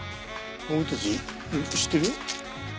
俺たち知ってるよ。